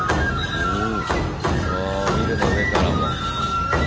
うん。